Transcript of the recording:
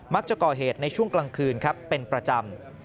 จะก่อเหตุในช่วงกลางคืนครับเป็นประจำ